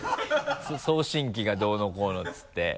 「送信機がどうのこうの」って言って。